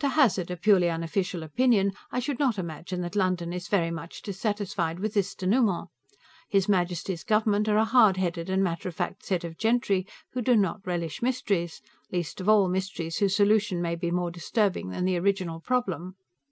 To hazard a purely unofficial opinion, I should not imagine that London is very much dissatisfied with this dénouement. His Majesty's government are a hard headed and matter of fact set of gentry who do not relish mysteries, least of all mysteries whose solution may be more disturbing than the original problem.